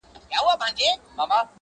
ګورئ تر خلوته چي خُمونه غلي غلي وړي.!”.!